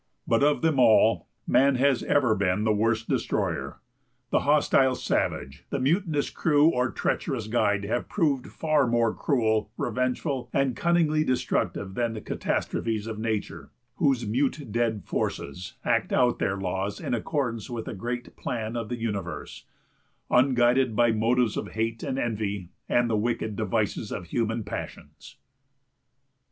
But of them all, man has ever been the worst destroyer. The hostile savage, the mutinous crew, or treacherous guide have proved far more cruel, revengeful, and cunningly destructive than the catastrophes of nature, whose mute, dead forces act out their laws in accordance with the great plan of the universe, unguided by motives of hate, and envy, and the wicked devices of human passions.